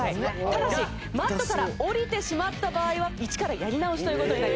ただしマットから下りてしまった場合は一からやり直しという事になります。